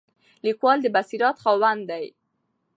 لیکوال د بصیرت خاوند دی.